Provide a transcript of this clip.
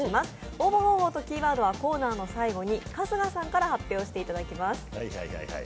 応募方法とキーワードはコーナーの最後に春日さんから発表していただきます。